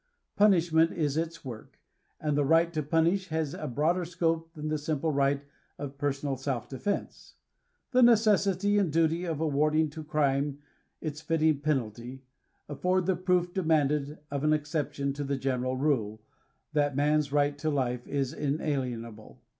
Punishment is its work, and the right to punish has a broader scope than the simple right of personal self defense. The necessity and duty of awarding to crime its fitting penalty, afford the proof demanded of an exception to the general rule, that man's right to life is inalienable.